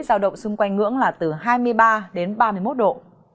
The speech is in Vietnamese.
giao động xung quanh ngưỡng là từ hai mươi ba đến ba mươi một độ